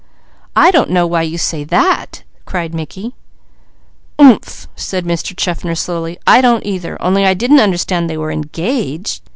"I don't know why you say that!" cried Mickey. "Ommh!" said Mr. Chaffner, slowly. "I don't either, only I didn't understand they were engaged.